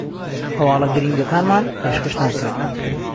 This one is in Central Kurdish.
هەواڵە گرینگەکانمان پێشکەشتان کرد